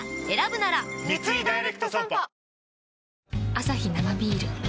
アサヒ生ビール